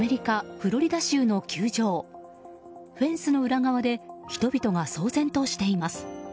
フェンスの裏側で人々が騒然としています。